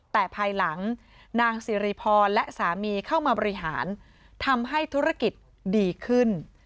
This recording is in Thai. แต่ภายหลังนางสิริพรและสามีเข้ามาบริหารทำให้ธุรกิจดีขึ้น